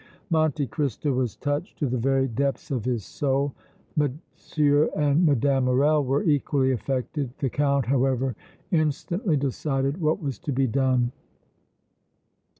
Monte Cristo was touched to the very depths of his soul; M. and Mme. Morrel were equally affected. The Count, however, instantly decided what was to be done.